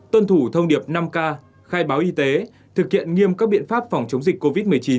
tuân thủ thông điệp năm k khai báo y tế thực hiện nghiêm các biện pháp phòng chống dịch covid một mươi chín